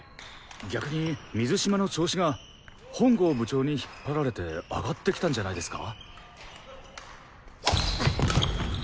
逆に水嶋の調子が本郷部長に引っ張られて上がってきたんじゃないですか？